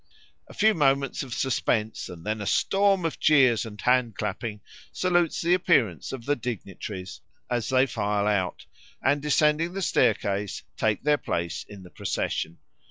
A few moments of suspense and then a storm of cheers and hand clapping salutes the appearance of the dignitaries, as they file out and, descending the staircase, take their place in the procession.